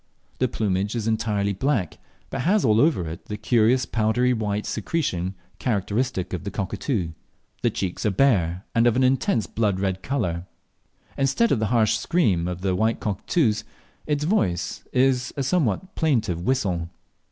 The plumage is entirely black, but has all over it the curious powdery white secretion characteristic of cockatoo. The cheeks are bare, and of an intense blood red colour. Instead of the harsh scream of the white cockatoos, its voice is a somewhat plaintive whistle.